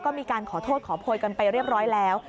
ก็มีการขอโทษขอโพยกันไปเรียบร้อยแล้ว